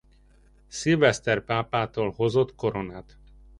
Szilveszter pápától hozott koronát.